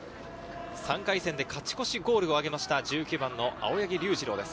３回戦で勝ち越しゴールを挙げました、１９番の青柳龍次郎です。